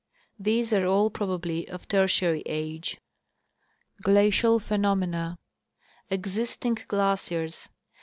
These are all probably of Tertiary age. Glacial Phenomena. Existing Glaciers.